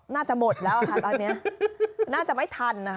น่าจะหมดแล้วค่ะตอนนี้น่าจะไม่ทันนะคะ